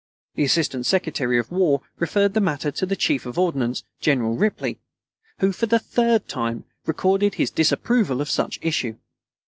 The Assistant Secretary of War referred the matter to the Chief of Ordnance, General Ripley, who for the third time recorded his disapproval of such issue.